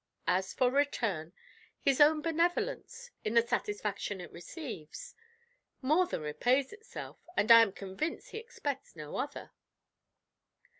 As for return, his own benevolence, in the satisfaction it receives, more than repays itself, and I am convinced he expects no other."